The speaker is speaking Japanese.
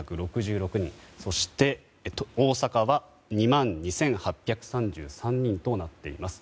そして、大阪は２万２８３３人となっています。